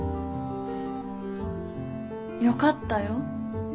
よかったよ。